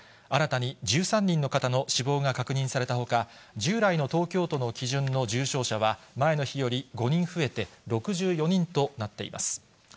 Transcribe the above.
新たに１３人の方の死亡が確認されたほか、従来の東京都の基準の重症者は前の日より５人増えて６４人となっています。